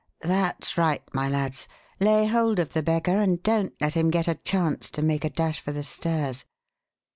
That's right, my lads. Lay hold of the beggar and don't let him get a chance to make a dash for the stairs.